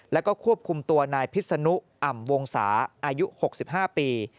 แล้วก็ควบคุมตัวนายพิษนุอ่ำวงศาอายุ๖๕ปี